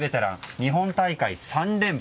日本大会３連覇